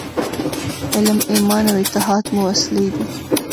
علم، ایمان او اتحاد مو وسلې دي.